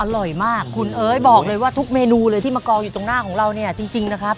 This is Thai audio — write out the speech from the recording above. อร่อยมากคุณเอ๋ยบอกเลยว่าทุกเมนูเลยที่มากองอยู่ตรงหน้าของเราเนี่ยจริงนะครับ